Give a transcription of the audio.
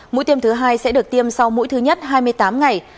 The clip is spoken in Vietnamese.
mũi tiêm thứ hai sẽ được tiêm sau mũi thứ nhất hai mươi tám ngày